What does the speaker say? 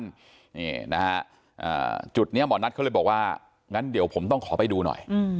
นี่นะฮะจุดนี้หมอนัทเขาเลยบอกว่างั้นเดี๋ยวผมต้องขอไปดูหน่อย